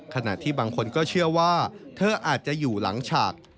ขณะที่บางคนก็เชื่อว่าเธออาจจะอยู่หลังฉาก